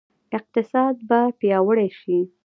اقتصاد به پیاوړی شي؟